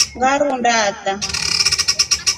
Nyarunda ata.